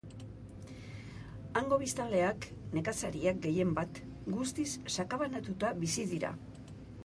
Hango biztanleak, nekazariak gehienbat, guztiz sakabanatuta bizi dira.